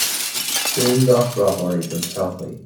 Guím gach rath oraibh don todhchaí